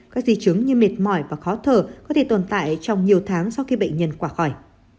các di chứng như mệt mỏi và khó thở có thể tồn tại trong nhiều tháng sau khi bệnh nhân quả khỏi